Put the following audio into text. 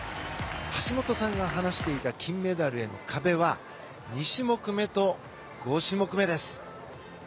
橋本さんが話していた金メダルへの壁は２種目めと５種目めです。